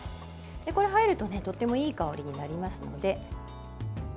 これが入るととてもいい香りになりますので。